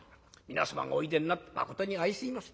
皆様がおいでになって『まことに相すいません。